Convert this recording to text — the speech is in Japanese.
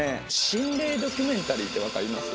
心霊ドキュメンタリーって分かります？